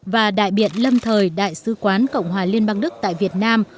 và đại biện lâm thời đại sứ quán cộng hòa liên bang đức tại việt nam